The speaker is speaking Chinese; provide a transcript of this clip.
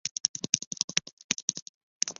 棕茅为禾本科金茅属下的一个种。